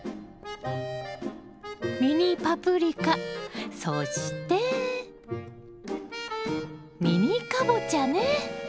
ミニパプリカそしてミニカボチャね。